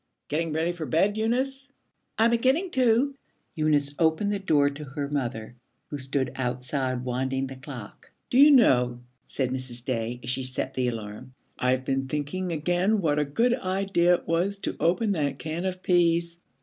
'Getting ready for bed, Eunice?' 'I'm beginning to.' Eunice opened the door to her mother, who stood outside winding the clock. 'Do you know,' said Mrs. Day as she set the alarm, 'I've been thinking again what a good idea it was to open that can of peas.